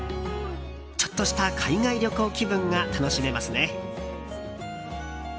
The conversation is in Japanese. ちょっとした海外旅行気分が楽しめますね。